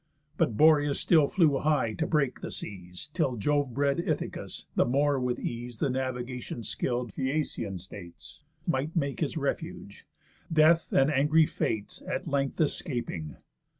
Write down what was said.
But Boreas still flew high to break the seas, Till Jove bred Ithacus the more with ease The navigation skill'd Phæacian states Might make his refuge, Death and angry Fates At length escaping.